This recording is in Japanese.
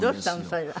それは。